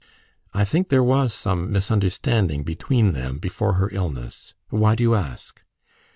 "I think there was some misunderstanding between them before her illness. Why do you ask?"